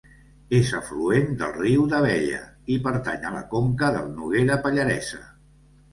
És afluent del riu d'Abella, i pertany a la conca del Noguera Pallaresa.